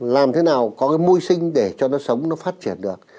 làm thế nào có cái môi sinh để cho nó sống nó phát triển được